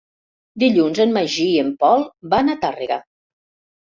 Dilluns en Magí i en Pol van a Tàrrega.